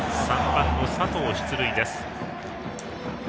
３番の佐藤、出塁。